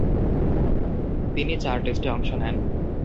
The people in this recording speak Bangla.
তিনি চার টেস্টে অংশ নেন।